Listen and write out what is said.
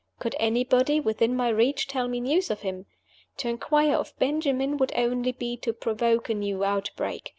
Could anybody, within my reach, tell me news of him? To inquire of Benjamin would only be to provoke a new outbreak.